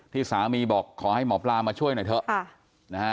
ที่สามีบอกขอให้หมอปลามาช่วยหน่อยเถอะนะฮะ